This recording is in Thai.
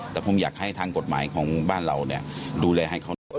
แต่ผมอยากให้ทางกฎหมายของบ้านเราดูแลให้